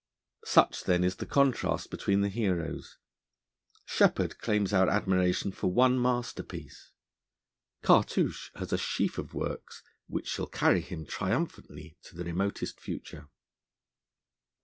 Such, then, is the contrast between the heroes. Sheppard claims our admiration for one masterpiece. Cartouche has a sheaf of works, which shall carry him triumphantly to the remotest future.